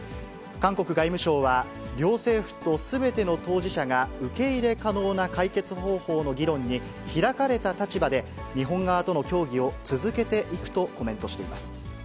韓国外務省は、両政府とすべての当事者が受け入れ可能な解決方法の議論に、開かれた立場で日本側との協議を続けていくとコメントしています。